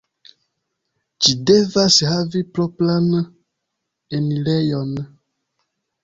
Ĝi devas havi propran enirejon.